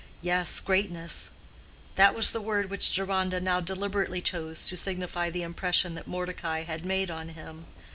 Yes, greatness: that was the word which Deronda now deliberately chose to signify the impression that Mordecai had made on him.